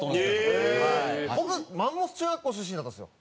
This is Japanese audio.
僕マンモス中学校出身だったんですよ。